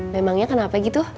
memangnya kenapa gitu